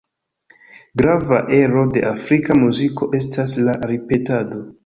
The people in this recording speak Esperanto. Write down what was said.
Grava ero de afrika muziko estas la ripetado.